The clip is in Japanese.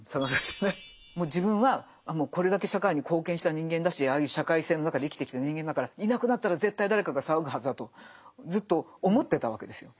もう自分はこれだけ社会に貢献した人間だしああいう社会性の中で生きてきた人間だからいなくなったら絶対誰かが騒ぐはずだとずっと思ってたわけですよ。